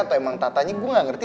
atau emang tatanya gue gak ngerti